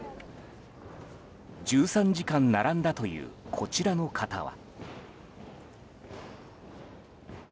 １３時間並んだというこちらの方は。